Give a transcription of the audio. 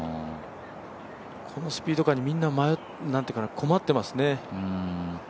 このスピード感にみんな困ってますね。